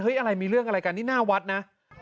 อะไรมีเรื่องอะไรกันนี่หน้าวัดนะ